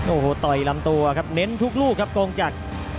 โอ้โหต่อยลำตัวครับเน้นทุกลูกครับกงจักร